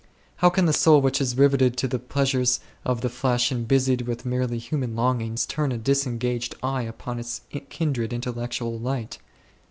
How can the soul which is riveted* to the pleasures of the flesh and busied with merely human longings turn a disengaged eye upon i^s kindred intellectual light